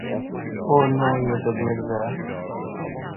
Religious rituals were performed in open air settings.